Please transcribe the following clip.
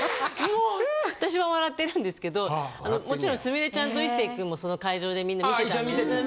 私は笑ってるんですけどもちろんすみれちゃんと壱成君もその会場でみんな見てたんですけど。